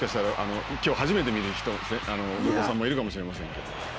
今日初めて見るお子さんもいるかもしれませんが。